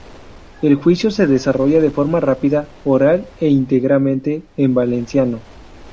El juicio se desarrolla de forma rápida, oral e íntegramente en valenciano.